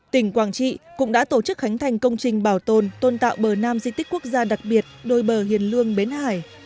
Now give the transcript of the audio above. tỉnh quảng trị cũng đã tổ chức khánh thành công trình bảo tồn tôn tạo bờ nam di tích quốc gia đặc biệt đôi bờ hiền lương bến hải